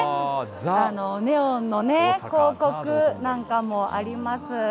あのネオンのね、広告なんかもあります。